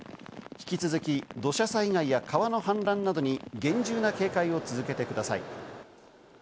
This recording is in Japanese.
引き続き、土砂災害や川の氾濫などに厳重な警戒を続けてください。